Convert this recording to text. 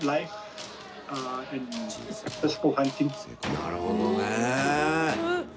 なるほどね。